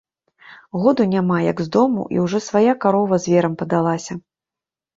Году няма, як з дому, і ўжо свая карова зверам падалася.